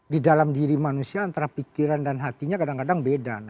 di dalam diri manusia antara pikiran dan hatinya kadang kadang beda